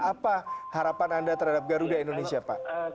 apa harapan anda terhadap garuda indonesia pak